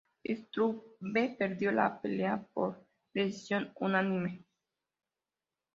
Struve perdió la pelea por decisión unánime.